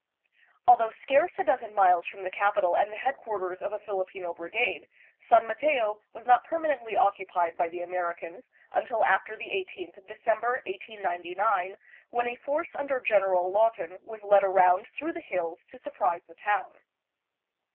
Although scarce a dozen miles from the capital and the headquar ters of a Filipino brigade, San Mateo was not permanently occupied by the Americans until after the 18th of Decem ber, 1899, when a force under General Lawton was led around through the hills to surprise the town.